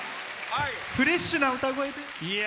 フレッシュな歌声で。